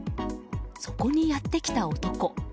そこにやってきた男。